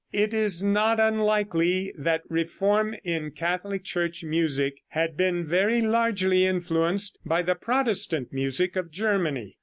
It is not unlikely that reform in Catholic Church music had been very largely influenced by the Protestant music of Germany.